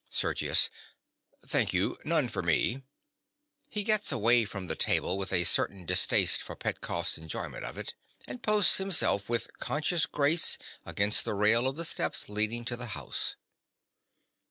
SERGIUS. Thank you, none for me. (_He gets away from the table with a certain distaste for Petkoff's enjoyment of it, and posts himself with conscious grace against the rail of the steps leading to the house.